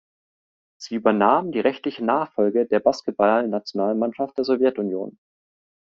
Sie übernahm die rechtliche Nachfolge der Basketballnationalmannschaft der Sowjetunion.